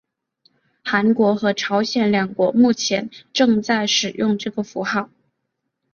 韩国和朝鲜两国目前正在使用这个符号。